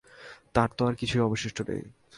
তার তো আর কিছুই অবশিষ্ট নেই।